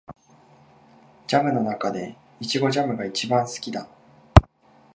ジャムの中でイチゴジャムが一番好きだ